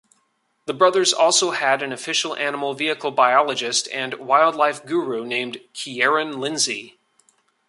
The brothers also had an official Animal-Vehicle Biologist and Wildlife Guru named Kieran Lindsey.